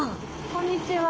こんにちは。